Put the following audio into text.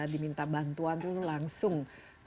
diminta bantuan itu langsung